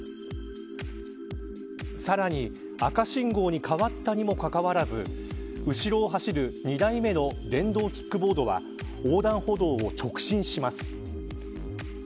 さらに、赤信号に変わったにもかかわらず後ろを走る２台目の電動キックボードが横断歩道を直進します。